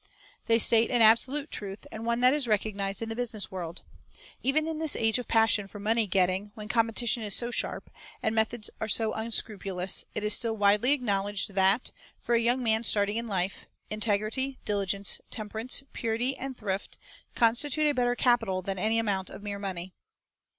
They state an absolute truth, and one that is recognized in the business world. Even in this age of passion for money getting, when competition is so sharp, and methods are so unscrupulous, it is still widely acknowledged that, for a young man starting in life, integrity, diligence, temperance, purity, and thrift constitute a better capital than any amount of mere money.